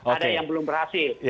ada yang belum berhasil